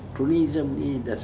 kronisme ini adalah